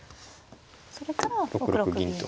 それからは６六銀で。